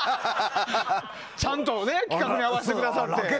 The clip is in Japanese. ちゃんと企画に合わせてくださって。